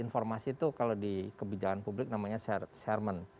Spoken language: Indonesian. informasi itu kalau di kebijakan publik namanya sharement